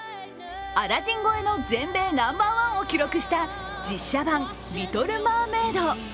「アラジン」超えの全米ナンバーワンを記録した実写版「リトルマーメイド」。